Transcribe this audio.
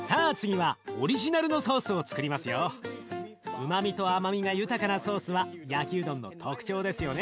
うまみと甘みが豊かなソースは焼きうどんの特徴ですよね。